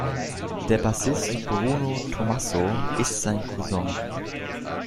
Der Bassist Bruno Tommaso ist sein Cousin.